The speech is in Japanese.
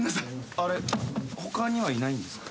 あれ他にはいないんですか？